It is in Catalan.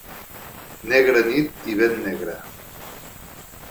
Negra nit i ben negra.